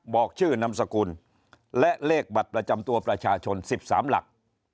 บอกชื่อนามสกุลและเลขบัตรประจำตัวประชาชน๑๓หลัก